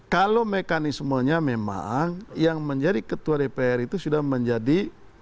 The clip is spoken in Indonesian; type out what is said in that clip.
kalau mekanismenya memang yang menjadi ketua dpr itu sudah menjadi